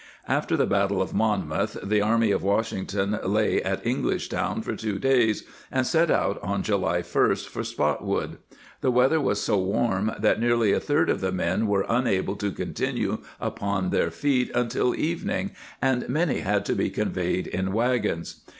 After the battle of Monmouth the army of Washington lay at English Town for two days, and set out on July 1st for Spotwood; the weather was so warm that nearly a third of the men were unable to continue upon their feet until evening, and many had to be conveyed in wagons.